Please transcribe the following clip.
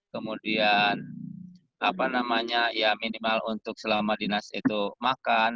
kemudian apa namanya ya minimal untuk selama dinas itu makan